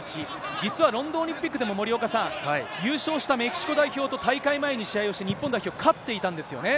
実はロンドンオリンピックでも森岡さん、優勝したメキシコ代表と大会前に試合をして、日本代表、勝っていたんですよね。